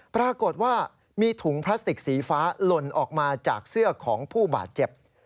ปรากฏว่ามีถุงพลาสติกสีฟ้าหล่นออกมาจากเสื้อของผู้บาดเจ็บ